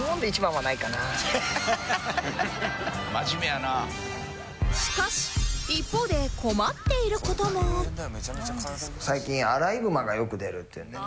だからしかし一方で最近アライグマがよく出るっていうのでね